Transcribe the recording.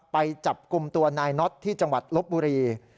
ไปจับกลุ่มตัวนายน็อตที่จังหวัดลบบุรี